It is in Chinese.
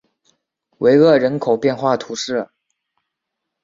维厄人口变化图示